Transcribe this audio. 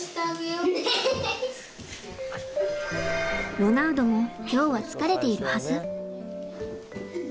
ロナウドも今日は疲れているはず。